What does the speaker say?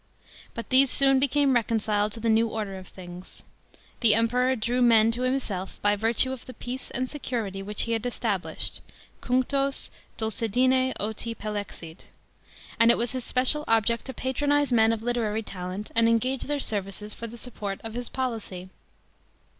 But these soon became reconciled to the new order of things. The Emperor drew men to himself by virtue of the peace and security which he had established (cunctos dulcedine otii pdlexit *); and it was his special object to patronise men of literary talent and engage their services for the support of his policy.